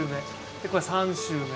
でこれ３週目。